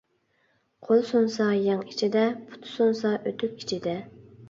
قول سۇنسا يەڭ ئىچىدە، پۇت سۇنسا ئۆتۇك ئىچىدە.